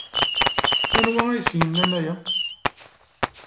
Anwa ay asen-yennan aya?